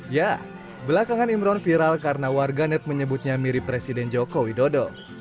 ya belakangan imron viral karena warganet menyebutnya mirip presiden joko widodo